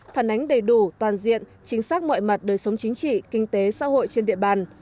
phản ánh đầy đủ toàn diện chính xác mọi mặt đời sống chính trị kinh tế xã hội trên địa bàn